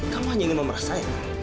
kamu hanya ingin memeras saya